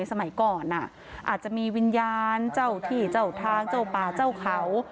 สมัยก่อนอาจจะมีวิญญาณเจ้าที่เจ้าทางเจ้าป่าเจ้าเขา